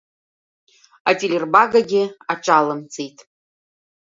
Ателербагагьы аҿалымҵеит.